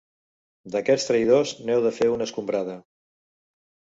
D'aquests traïdors, n'heu de fer una escombrada.